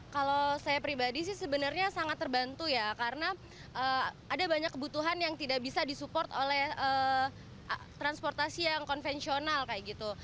kalau saya pribadi sih sebenarnya sangat terbantu ya karena ada banyak kebutuhan yang tidak bisa disupport oleh transportasi yang konvensional kayak gitu